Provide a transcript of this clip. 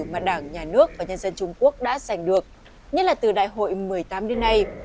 mà đảng nhà nước và nhân dân trung quốc đã giành được nhất là từ đại hội một mươi tám đến nay